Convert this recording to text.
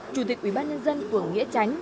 chủ tịch ủy ban nhân dân phường nghĩa tránh